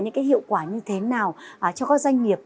những cái hiệu quả như thế nào cho các doanh nghiệp